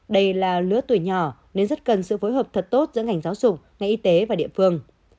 đây là lứa tuổi nhỏ nên rất cần sự phối hợp thật tốt giữa ngành giáo dục ngành y tế và địa phương